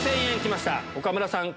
岡村さん